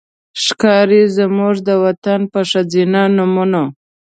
ښکاري زموږ د وطن په ښځېنه نومونو